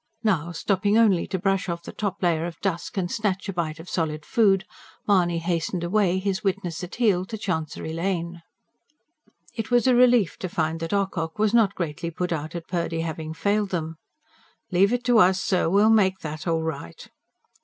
Now, stopping only to brush off the top layer of dust and snatch a bite of solid food, Mahony hastened away, his witness at heel, to Chancery Lane. It was a relief to find that Ocock was not greatly put out at Purdy having failed them. "Leave it to us, sir. We'll make that all right."